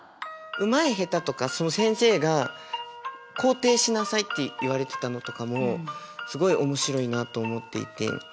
うまい下手とか先生が肯定しなさいって言われてたのとかもすごい面白いなと思っていて。